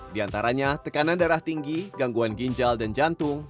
di antaranya tekanan darah tinggi gangguan ginjal dan jantung